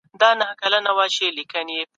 ټولنیزې رسنۍ خلکو ته رسنۍ برابرولې.